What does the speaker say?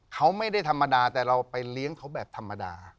เขาไม่ได้ธรรมดาแต่เราไปเลี้ยงเขาแบบธรรมดา